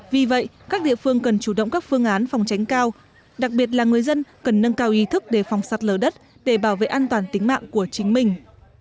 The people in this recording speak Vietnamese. vì vậy các địa phương cần chủ động các phương án phòng tránh cao đặc biệt là người dân cần nâng cao ý thức để phòng sạt lở đất để bảo vệ an toàn tính mạng của chính mình